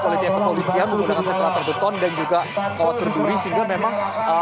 kepala kepolisian menggunakan sekelah terbeton dan juga kawat berduri sehingga memang